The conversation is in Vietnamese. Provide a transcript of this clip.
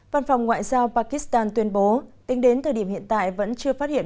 văn phòng ngoại giao pakistan tuyên bố tính đến thời điểm hiện tại vẫn chưa phát hiện